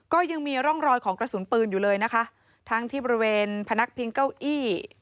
ก็ยังมีร่องรอยของกระสุนปืนอยู่เลยนะคะทั้งที่บริเวณพนักพิงเก้าอี้